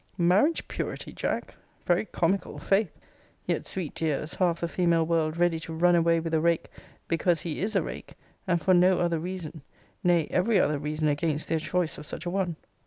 Marriage purity, Jack! Very comical, 'faith yet, sweet dears, half the female world ready to run away with a rake, because he is a rake; and for no other reason; nay, every other reason against their choice of such a one.